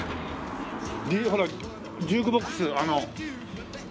ほらジュークボックスあの。